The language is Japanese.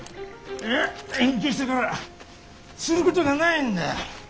いや隠居してからすることがないんだ。